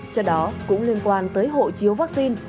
cho đó cũng liên quan tới hội chiếu vaccine